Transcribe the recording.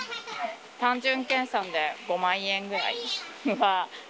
単純計算で５万円ぐらいは。